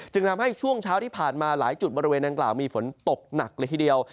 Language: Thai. ทำให้ช่วงเช้าที่ผ่านมาหลายจุดบริเวณดังกล่าวมีฝนตกหนักเลยทีเดียว